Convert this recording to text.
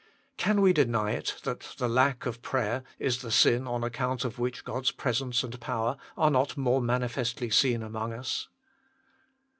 Can we deny it that the lack of prayer is the sin on account of which God s presence and power are not more manifestly seen among us